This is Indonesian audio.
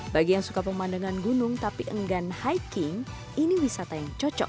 bagi yang suka pemandangan gunung tapi enggan hiking ini wisata yang cocok